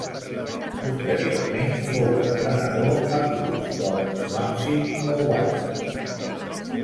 Posteriorment fou entrenador a clubs com Swansea o Watford.